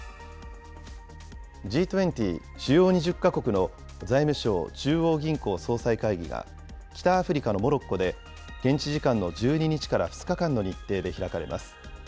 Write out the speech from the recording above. Ｇ２０・主要２０か国の財務相・中央銀行総裁会議が北アフリカのモロッコで、現地時間の１２日から２日間の日程で開かれます。